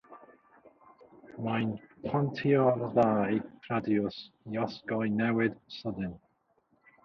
Mae'n pontio'r ddau radiws i osgoi newid sydyn.